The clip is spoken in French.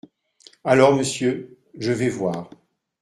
Alors, monsieur… je vais voir.